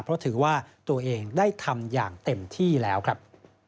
เพราะถือว่าตัวเองได้ทำอย่างเต็มที่แล้วครับ